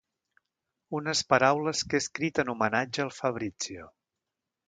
Unes paraules que he escrit en homenatge al Fabrizio.